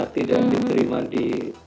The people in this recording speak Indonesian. tidak diterima di